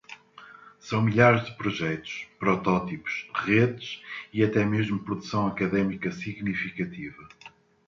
São milhares de projetos, protótipos, redes e até mesmo produção acadêmica significativa.